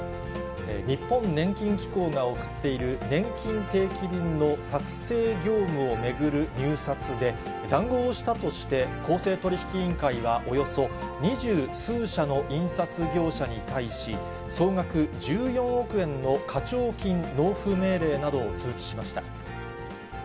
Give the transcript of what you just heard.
日本年金機構が送っているねんきん定期便の作成業務を巡る入札で、談合をしたとして、公正取引委員会は、およそ二十数社の印刷業者に対し、総額１４億円の課徴金納付命令などを通知しました。